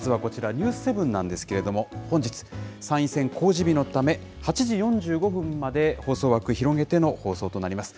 ニュース７なんですけれども、本日、参院選公示日のため、８時４５分まで放送枠広げての放送となります。